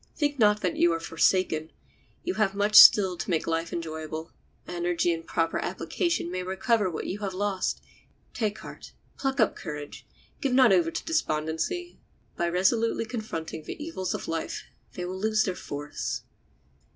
Think not that you are forsaken; you have much still to make life enjoyable. Energy and proper application may recover what you have lost; take heart; pluck up courage; give not over to despondency; by resolutely confronting the evils of life they will lose their force.